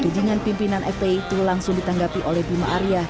tudingan pimpinan fpi itu langsung ditanggapi oleh bima arya